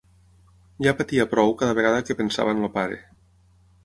Ja patia prou cada vegada que pensava en el pare.